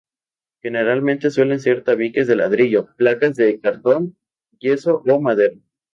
Generalmente suelen ser tabiques de ladrillo, placas de cartón yeso o madera.